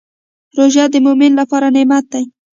روژه د مؤمن لپاره نعمت دی.